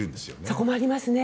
そこもありますね。